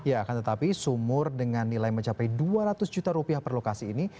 ya akan tetapi sumur dengan nilai mencapai dua ratus juta rupiah per lokasi ini